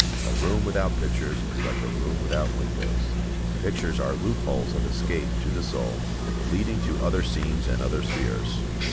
A room without pictures is like a room without windows. Pictures are loop holes of escape to the soul, leading to other scenes and other spheres.